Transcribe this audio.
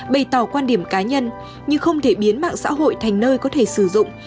bày tỏ quan điểm cá nhân như không thể biến mạng xã hội thành nơi có thể sử dụng